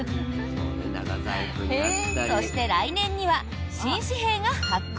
そして、来年には新紙幣が発行。